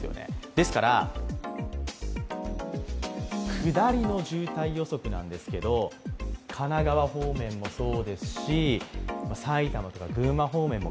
ですから、下りの渋滞予測なんですけど神奈川方面もそうですし、埼玉、群馬方面も